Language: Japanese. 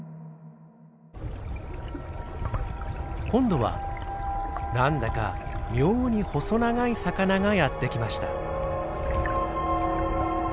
今度はなんだか妙に細長い魚がやって来ました。